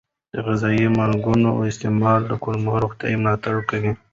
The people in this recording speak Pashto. د غذایي ماکملونو استعمال د کولمو روغتیا ملاتړ کوي.